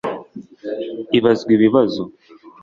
ibazwa ibibazo